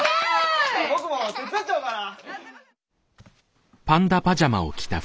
僕も手伝っちゃおうかな。